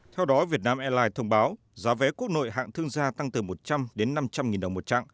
theo đó việt nam airlines thông báo giá vé quốc nội hạng thương gia tăng từ một trăm linh đến năm trăm linh nghìn đồng một chặng